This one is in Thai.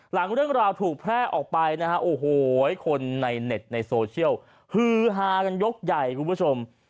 หลังเรื่องราวถูกแพร่ออกไปนะฮะโอ้โหคนในเน็ตในโซเชียลฮือฮากันยกใหญ่คุณผู้ชม